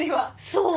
そう！